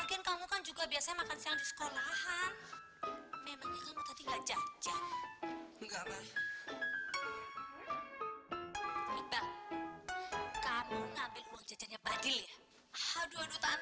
minumnya juga jangan dihabisin nanti yang lain kehausan